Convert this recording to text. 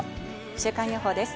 週間予報です。